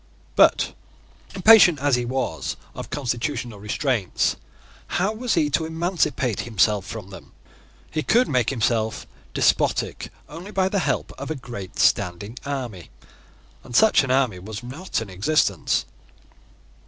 But, impatient as he was of constitutional restraints, how was he to emancipate himself from them? He could make himself despotic only by the help of a great standing army; and such an army was not in existence.